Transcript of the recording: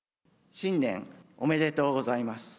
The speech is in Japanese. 新年おめでとうございます。